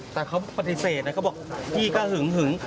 แต่เขาปฏิเสธนะเขาบอกพี่ก็หึงหึง